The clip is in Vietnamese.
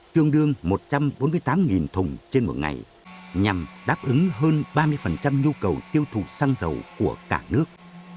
tương đương một trăm bốn mươi tám thùng trên một ngày nhằm đáp ứng hơn ba mươi nhu cầu tiêu thụ xăng dầu của cả nước